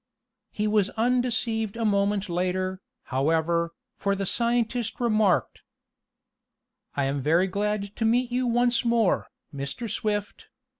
He was undeceived a moment later, however, for the scientist remarked: I am very glad to meet you once more, Mr. Swift.